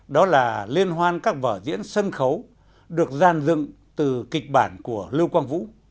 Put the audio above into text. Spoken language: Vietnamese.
đó là liên hoan các vở diễn sân khấu được gian dựng từ kịch bản của lưu quang vũ